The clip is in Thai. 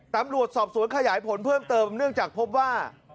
ตำรวจสอบสวนขยายผลเพิ่มเติมเนื่องจากพบว่า